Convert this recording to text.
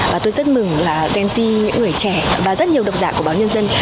và tôi rất mừng là gen z những người trẻ và rất nhiều độc giả của báo nhân dân